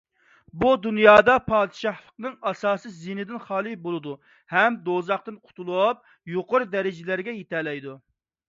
بۇ دۇنيادا پادىشاھلىقنىڭ ئاساسىي زىيىنىدىن خالىي بولىدۇ ھەم دوزاختىن قۇتۇلۇپ يۇقىرى دەرىجىلەرگە يېتەلەيدۇ.